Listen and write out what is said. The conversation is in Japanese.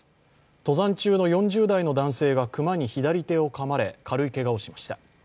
登山中の４０代の男性が熊に左手をかまれ軽いけがをしました。